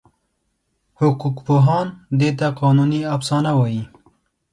حقوقپوهان دې ته قانوني افسانه وایي.